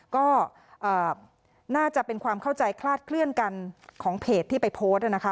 ก็น่าจะเป็นความเข้าใจคลาดเคลื่อนกันของเพจที่ไปโพสต์นะคะ